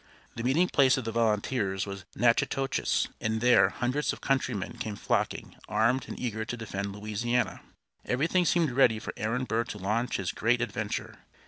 The meeting place of the volunteers was Natchitoches, and there hundreds of countrymen came flocking, armed, and eager to defend Louisiana. Everything seemed ready for Aaron Burr to launch his great adventure.